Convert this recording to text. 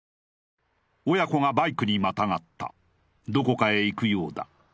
親子がバイクにまたがったどこかへ行くようだ